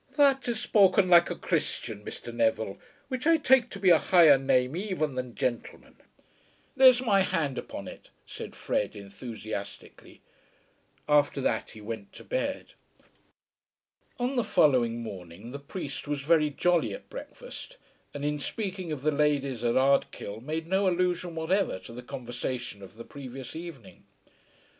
"That is spoken like a Christian, Mr. Neville, which I take to be a higher name even than gentleman." "There's my hand upon it," said Fred, enthusiastically. After that he went to bed. On the following morning the priest was very jolly at breakfast, and in speaking of the ladies at Ardkill made no allusion whatever to the conversation of the previous evening.